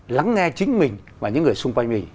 lắng nghe chính mình và những người xung quanh mình